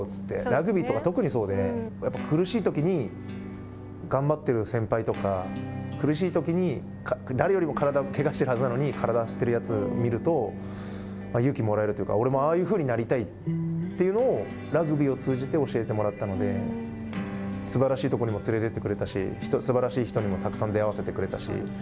ラグビーとか特にそうで苦しいときに頑張っている先輩とか苦しいときに誰よりも体をけがしてるはずなのに、体張っているやつを見ると勇気をもらえるというか俺もあんなふうになりたいというのをラグビーを通じて教えてもらったのですばらしいところにも連れてってくれたし、すばらしい人にもたくさん出合わせてくれたし。